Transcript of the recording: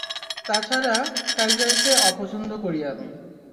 তাছাড়া, কাইযারকে অপছন্দ করি আমি।